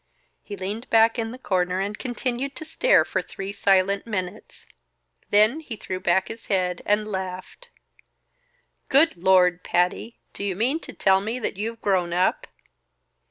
He leaned back in the corner and continued to stare for three silent minutes; then he threw back his head and laughed. "Good Lord, Patty! Do you mean to tell me that you've grown up?"